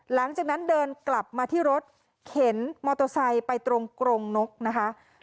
หลังจากนั้นเดินกลับมาที่รถเข็นมอเตอร์ไซค์ไปตรงกรงนกนะคะ